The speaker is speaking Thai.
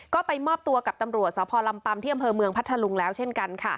ก็ไปมอบตัวกับตำรวจสพลำปัมที่อำเภอเมืองพัทธลุงแล้วเช่นกันค่ะ